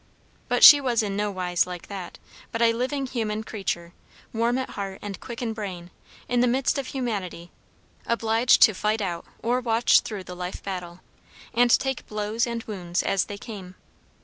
But she was in no wise like that, but a living human creature, warm at heart and quick in brain; in the midst of humanity, obliged to fight out or watch through the life battle, and take blows and wounds as they came.